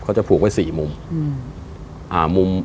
เขาจะผูกไว้สี่มุม